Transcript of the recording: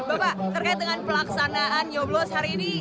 bapak terkait dengan pelaksanaan nyoblos hari ini